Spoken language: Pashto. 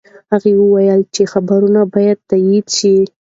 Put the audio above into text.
هغه وویل چې خبرونه به تایید شي.